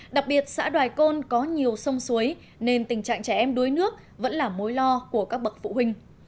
đặc biệt xã đoài côn có nhiều sông suối nên tình trạng trẻ em đuối nước vẫn là mối lo của các bậc phụ huynh